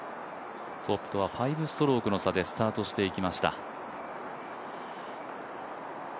トップとは５ストローク差でスタートしていきました。